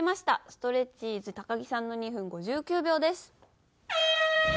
ストレッチーズ高木さんの２分５９秒です。